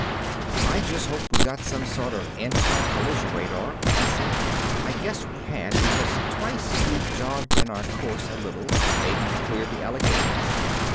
"I just hope we got some sort of anti collision radar," I said. I guessed we had, because twice we'd jogged in our course a little, maybe to clear the Alleghenies.